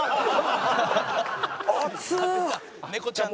熱っ！